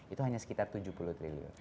itu hanya sekitar tujuh puluh triliun